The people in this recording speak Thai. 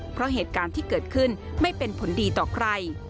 เพราะเหตุการณ์ที่เกิดขึ้นไม่เป็นผลดีต่อใคร